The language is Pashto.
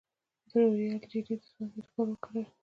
د رویال جیلی د ځوانۍ لپاره وکاروئ